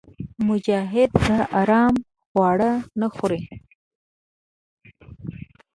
مجاهد د حرامو خواړه نه خوري.